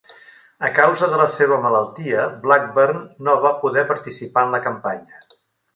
A causa de la seva malaltia, Blackburn no va poder participar en la campanya.